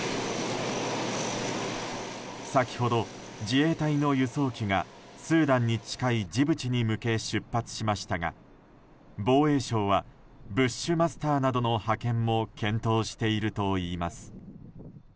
先ほど、自衛隊の輸送機がスーダンに近いジブチに向け出発しましたが防衛省はブッシュマスターなどの派遣も検討しているといいます。